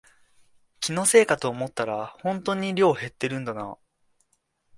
気のせいかと思ったらほんとに量減ってるんだな